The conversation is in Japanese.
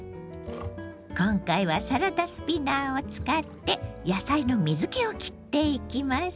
今回はサラダスピナーを使って野菜の水けをきっていきます。